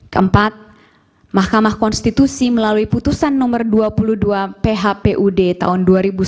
keempat mahkamah konstitusi melalui putusan nomor dua puluh dua phpud tahun dua ribu sembilan belas